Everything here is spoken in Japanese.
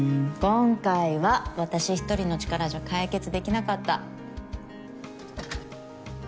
今回は私１人の力じゃ解決できなかった。